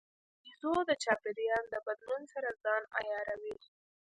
بیزو د چاپېریال د بدلون سره ځان عیاروي.